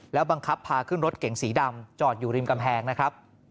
แล้วบังคับพาขึ้นรถเก๋งสีดำจอดอยู่ริมกำแพงนะครับ